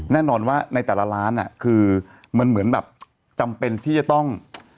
แน่นอนว่าในแต่ละร้านคือมันเหมือนแบบจำเป็นที่จะต้อง